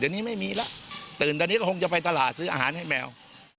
เดี๋ยวนี้ไม่มีแล้วตื่นตอนนี้ก็คงจะไปตลาดซื้ออาหารให้แมว